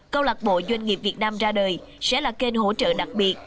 câu lạc bộ doanh nghiệp việt nam ra đời sẽ là kênh hỗ trợ đặc biệt